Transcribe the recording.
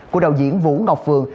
của đạo diễn vũ ngọc phường